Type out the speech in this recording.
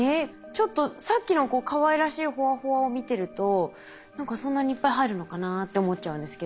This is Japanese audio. ちょっとさっきのかわいらしいほわほわを見てると何かそんなにいっぱい入るのかなって思っちゃうんですけど。